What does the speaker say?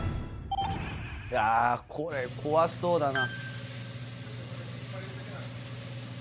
これ怖そうだな。